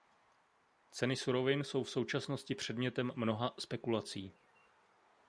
Ceny surovin jsou v současnosti předmětem mnoha spekulací.